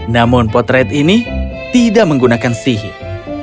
namun potret ini tidak menggunakan sihir